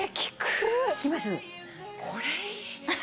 これいい。